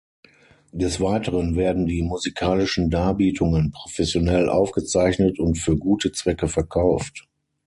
Des Weiteren werden die musikalischen Darbietungen professionell aufgezeichnet und für gute Zwecke verkauft.